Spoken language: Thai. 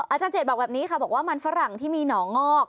อาจารย์เจตบอกแบบนี้ค่ะบอกว่ามันฝรั่งที่มีหนองงอก